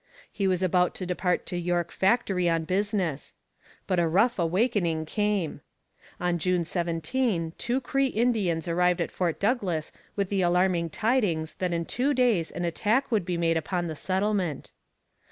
He was about to depart to York Factory on business. But a rough awakening came. On June 17 two Cree Indians arrived at Fort Douglas with the alarming tidings that in two days an attack would be made upon the settlement.